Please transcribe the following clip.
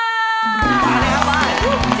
ไปเลยครับไป